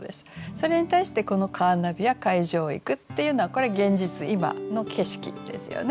それに対して「このカーナビは海上を行く」っていうのはこれ現実今の景色ですよね。